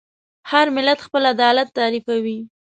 هر ملت خپل عدالت تعریفوي.